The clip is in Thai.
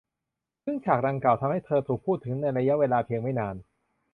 ซึ่งฉากดังกล่าวทำให้เธอถูกพูดถึงในระยะเวลาเพียงไม่นาน